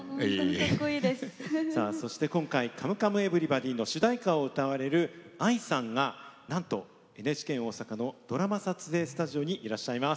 そして今回「カムカムエヴリバディ」の主題歌を歌われるＡＩさんがなんと、ＮＨＫ大阪のドラマ撮影スタジオにいらっしゃいます。